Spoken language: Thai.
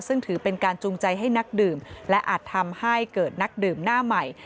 ซึ่งถือเป็นการจูงใจให้นักดื่มและอาจทำให้เกิดนักดื่มหน้าใหม่